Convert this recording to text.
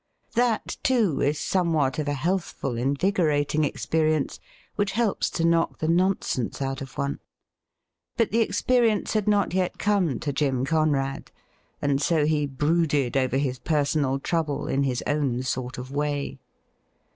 That, too, is somewhat of a healthful, invigorating experience, which helps to knock the nonsense out of one. But the experience had not yet come to . Jim Conrad, and so he brooded over his personal trouble in his own sort of way.